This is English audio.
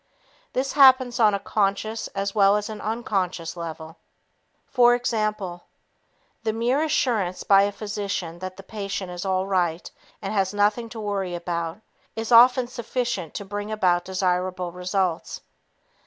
This happens on a conscious as well as unconscious level. For example, the mere assurance by a physician that the patient is all right and has nothing to worry about is often sufficient to bring about desirable results.